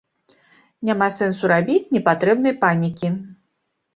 Няма сэнсу рабіць непатрэбнай панікі.